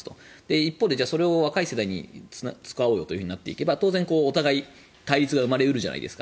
一方で、それを若い世代に使おうよとなっていけばお互いに対立が生まれ得るじゃないですか。